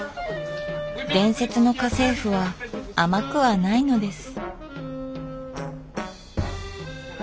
「伝説の家政婦」は甘くはないのです。